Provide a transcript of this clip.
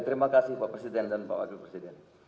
terima kasih pak presiden dan pak wakil presiden